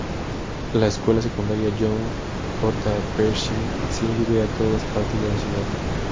La Escuela Secundaria John J. Pershing sirve a todos partes de la ciudad.